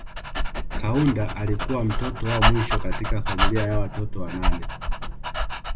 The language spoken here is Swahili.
Kaunda alikuwa mtoto wa mwisho katika familia ya watoto wanane